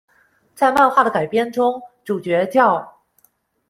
在漫画改编中，主角叫。